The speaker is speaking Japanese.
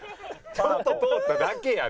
ちょっと通っただけやって。